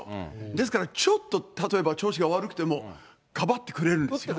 ですから、ちょっと例えば調子が悪くても、かばってくれるんですよ。